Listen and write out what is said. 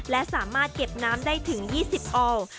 และสามารถเก็บน้ำได้ถึง๒๐ออล